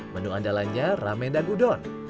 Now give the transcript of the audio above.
menu andalannya ramen dan udon